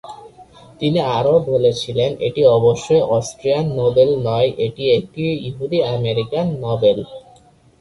তিনি আরও বলেছিলেন, এটি অবশ্যই "অস্ট্রিয়ান নোবেল নই, এটি একটি ইহুদি-আমেরিকান নোবেল"।